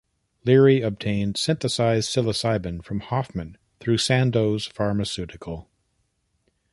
Leary obtained synthesized psilocybin from Hofmann through Sandoz pharmaceutical.